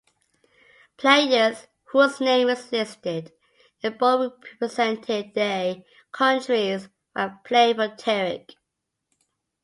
Players whose name is listed in bold represented their countries while playing for Terek.